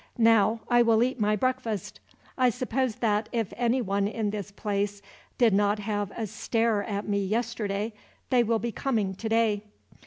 "Now I will eat my breakfast. I suppose that, if anyone in this place did not have a stare at me yesterday, they will be coming today."